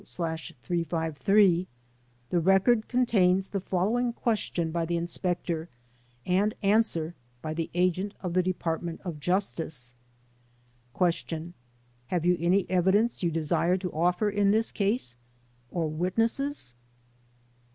54860/ 353), the record contains the following question by the inspector and answer by the agent of the Department of Justice: Q. "Have you any evidence you desire to offer in this case, or witnesses?"